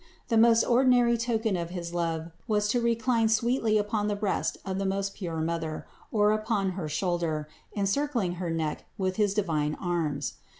The most ordinary token of his love was to recline sweetly upon the breast of the most pure Mother, or upon her shoulder, encircling her neck with his divine arms.